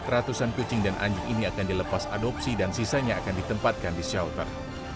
ratusan kucing dan anjing ini akan dilepas adopsi dan sisanya akan ditempatkan di shelter